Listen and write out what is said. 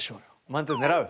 満点狙う。